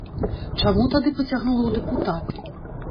Чаму тады пацягнула ў дэпутаты?